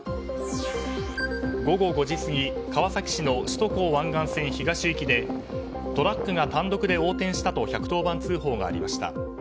午後５時過ぎ川崎市の首都高湾岸線東行きでトラックが単独で横転したと１１０番通報がありました。